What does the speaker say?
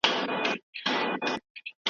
له خپل زوج څخه خوند اخيستل حلال دي.